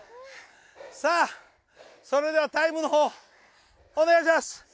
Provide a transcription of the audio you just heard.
さあそれではタイムのほうお願いします。